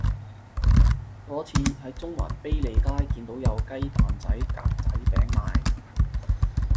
嗰次喺中環卑利街見到有雞蛋仔格仔餅賣